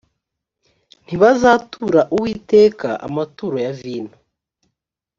ntibazatura uwiteka amaturo ya vino